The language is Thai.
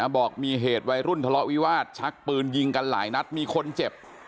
บอกมีเหตุวัยรุ่นทะเลาะวิวาสชักปืนยิงกันหลายนัดมีคนเจ็บ